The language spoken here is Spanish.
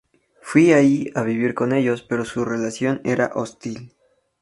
Fue allí a vivir con ellos, pero su relación era hostil.